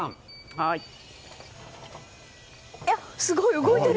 すごい、動いてる！